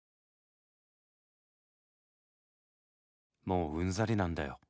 「もううんざりなんだよ。